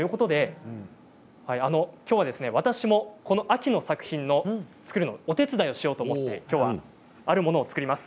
きょうは私もこの秋の作品を作るのをお手伝いしようと思ってあるものを作ります。